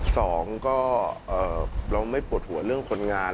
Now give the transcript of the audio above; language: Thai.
สองก็เราไม่ปวดหัวเรื่องคนงาน